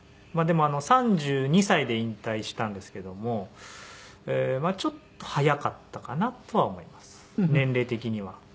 でも３２歳で引退したんですけどもちょっと早かったかなとは思います年齢的には。